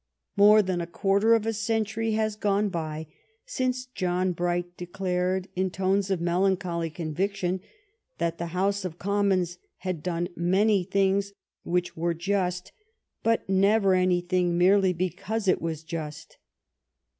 More than a quarter of a century has gone by since John Bright de clared in tones of melancholy conviction that the House of Commons had done many things which were just, but never any ,„"^"^^^ thing merely because it was just.